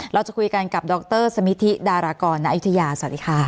เราจะคุยกันกับดรสมิธิดารากรณอายุทยาสวัสดีค่ะ